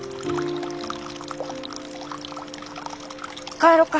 帰ろうか。